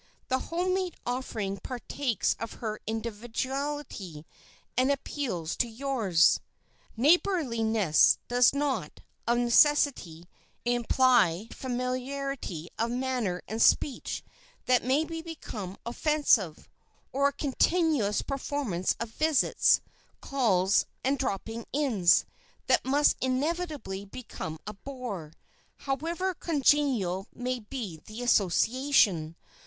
The home made offering partakes of her individuality, and appeals to yours. Neighborliness does not, of necessity, imply familiarity of manner and speech that may become offensive, or a continuous performance of visits, calls and "droppings in" that must inevitably become a bore, however congenial may be the association.